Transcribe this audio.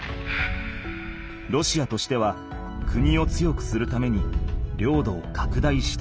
ロシアとしては国を強くするために領土をかくだいしたい。